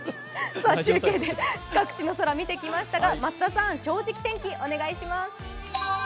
中継で各地の空、見てきましたが、増田さん、「正直天気」お願いします。